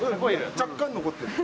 若干残ってる。